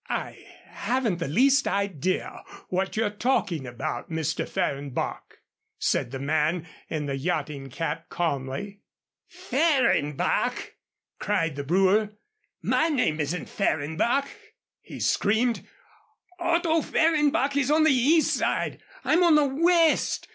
"I haven't the least idea what you're talking about, Mr. Fehrenbach," said the man in the yachting cap, calmly. "Fehrenbach!" cried the brewer. "My name isn't Fehrenbach!" he screamed. "Otto Fehrenbach is on the East Side. I'm on the West.